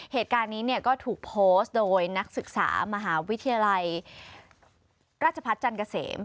เหตุการณ์นี้เนี่ยก็ถูกโพสต์โดยนักศึกษามหาวิทยาลัยราชพัฒน์จันทร์เกษม